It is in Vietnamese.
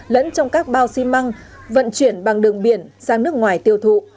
lẫn trong các bao xi măng vận chuyển bằng đường biển sang nước ngoài tiêu thụ